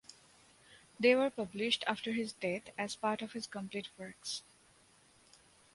They were published after his death as part of his complete works.